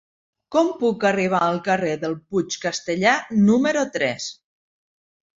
Com puc arribar al carrer del Puig Castellar número tres?